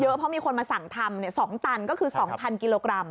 เพราะมีคนมาสั่งทำ๒ตันก็คือ๒๐๐กิโลกรัม